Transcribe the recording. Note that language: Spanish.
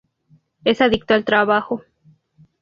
Es adicto al trabajo.